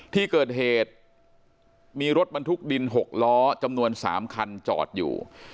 ที่เกิดเหตุมีรถบรรทุกดิน๖ล้อจำนวน๓คันจอดอยู่